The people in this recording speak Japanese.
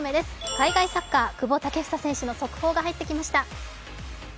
海外サッカー・久保建英選手の速報が入ってきました。